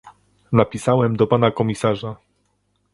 Napisałem do pana komisarza